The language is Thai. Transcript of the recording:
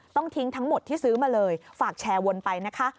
ต้องทิ้งทั้งหมดที่ซื้อมาเลยฝากแชร์วนไปนะคะ